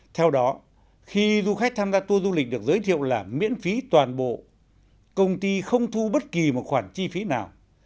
theo đó khi du khách tham gia tour du lịch được giới thiệu là miễn phí toàn bộ công ty không thu bất kỳ một khoản chi phí nào